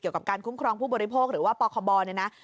กับการคุ้มครองผู้บริโภคหรือว่าปคบเนี่ยนะ